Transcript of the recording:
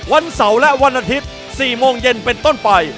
วันเสาร์และวันอาทิตย์๔โมงเย็นเป็นต้นไป